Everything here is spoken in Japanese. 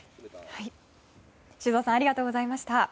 修造さんありがとうございました。